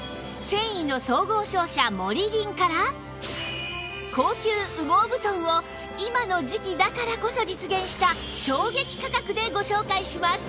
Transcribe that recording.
繊維の総合商社モリリンから高級羽毛布団を今の時季だからこそ実現した衝撃価格でご紹介します！